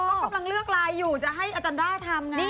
ก็กำลังเลือกไลน์อยู่จะให้อาจารย์ด้าทำไง